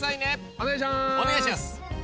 お願いします。